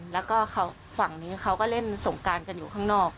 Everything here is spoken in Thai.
แล้วก็ฝั่งนี้เขาก็เล่นสงการกันอยู่ข้างนอก